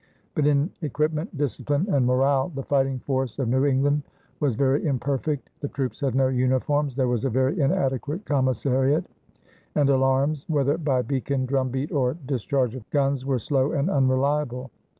But in equipment, discipline, and morale the fighting force of New England was very imperfect. The troops had no uniforms; there was a very inadequate commissariat; and alarums, whether by beacon, drum beat, or discharge of guns, were slow and unreliable.